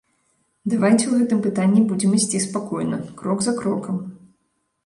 Давайце ў гэтым пытанні будзем ісці спакойна, крок за крокам.